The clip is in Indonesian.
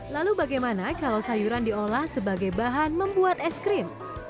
lalu bagaimana kalau sayuran diolah sebagai bahan membuat es krim